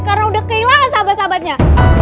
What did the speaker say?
karena udah kehilangan sahabat sahabatnya